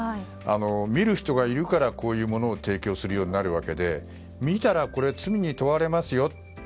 見る人がいるからこういうものを提供するようになるわけで見たら罪に問われますよ